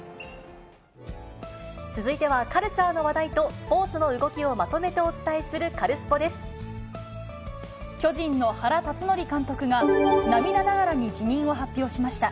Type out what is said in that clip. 続いては、カルチャーの話題とスポーツの動きをまとめてお伝えするカルスポ巨人の原辰徳監督が、涙ながらに辞任を発表しました。